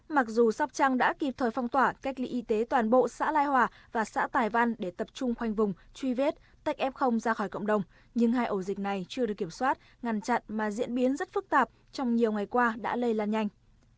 mặc dù sóc trăng đã kịp thời phong tỏa cách ly y tế toàn bộ xã lai hòa và xã tài văn để tập trung khoanh vùng truy vết tách f ra khỏi cộng đồng nhưng hai ổ dịch này chưa được kiểm soát ngăn chặn mà diễn biến rất phức tạp trong nhiều ngày qua đã lây lan nhanh